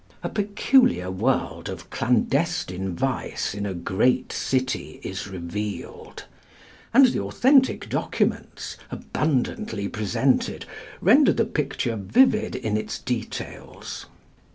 A peculiar world of clandestine vice in a great city is revealed; and the authentic documents, abundantly presented, render the picture vivid in its details.